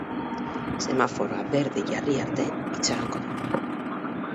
Semaforoa berde jarri arte itxarongo dugu.